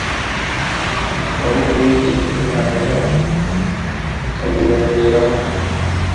Maboko uwiteka imana yanyu ikabibaheramo